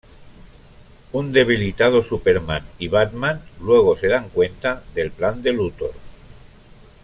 Un debilitado Superman y Batman luego se dan cuenta del plan de Luthor.